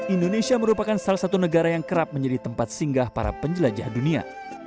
indonesia merupakan salah satu negara yang kerap menjadi tempat singgah para penjelajah dunia